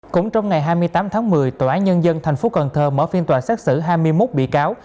cũng trong ngày hai mươi tám tháng một mươi tòa án nhân dân thành phố cần thơ mở phiên tòa xét xử hai mươi một bị cáo